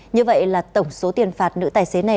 như vậy là tổng số tiền phạt nữ tài xế này